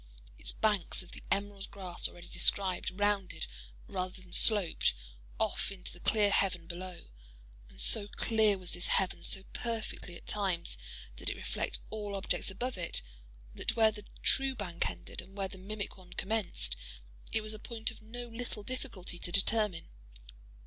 Its banks, of the emerald grass already described, rounded, rather than sloped, off into the clear heaven below; and so clear was this heaven, so perfectly, at times, did it reflect all objects above it, that where the true bank ended and where the mimic one commenced, it was a point of no little difficulty to determine.